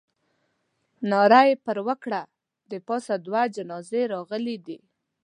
ناره یې پر وکړه. د پاسه دوه جنازې راغلې دي.